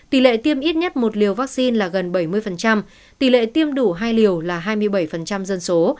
tỷ lệ tiêm ít nhất một liều vaccine là gần bảy mươi tỷ lệ tiêm đủ hai liều là hai mươi bảy dân số